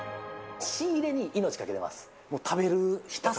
仕入れに命懸けてます。